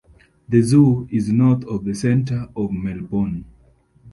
The zoo is north of the centre of Melbourne.